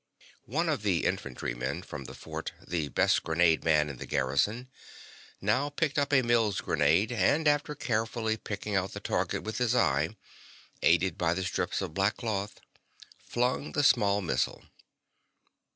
One of the infantry men from the fort, the best grenade man in the garrison, now picked up a Mills grenade, and after carefully picking out the target with his eye, aided by the strips of black cloth, flung the small missile.